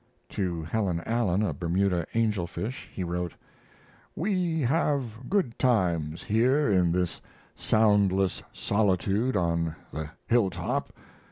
To Helen Allen, a Bermuda "Angel Fish," he wrote: We have good times here in this soundless solitude on the hilltop.